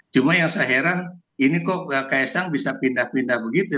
cuma yang saya heran ini kok ksang bisa pindah pindah begitu